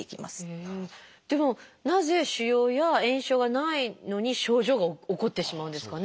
でもなぜ腫瘍や炎症がないのに症状が起こってしまうんですかね？